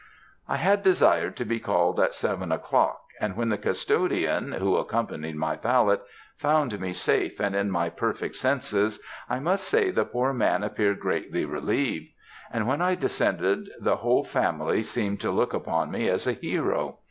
"I had desired to be called at seven o'clock, and when the custodian, who accompanied my valet, found me safe and in my perfect senses, I must say the poor man appeared greatly relieved; and when I descended the whole family seemed to look upon me as a hero.